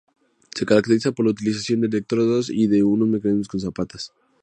Se caracteriza por la utilización de electrodos, y de un mecanismo con zapatas.